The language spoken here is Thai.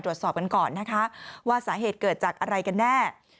ตรวจสอบกันก่อนนะคะว่าสาเหตุเกิดจากอะไรกันแน่